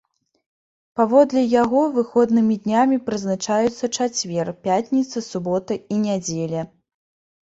Паводле яго выходнымі днямі прызначаюцца чацвер, пятніца, субота і нядзеля.